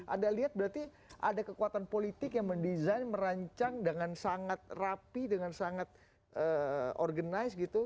anda lihat berarti ada kekuatan politik yang mendesain merancang dengan sangat rapi dengan sangat organisasi gitu